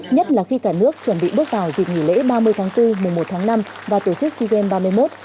nhất là khi cả nước chuẩn bị bước vào dịch nghỉ lễ ba mươi tháng bốn một mươi một tháng năm và tổ chức sea games ba mươi một